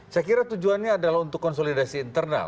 saya kira tujuannya adalah untuk konsolidasi internal